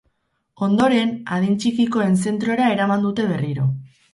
Ondoren, adin txikikoen zentrora eraman dute berriro.